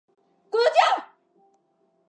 吃了布丁肚子咕噜叫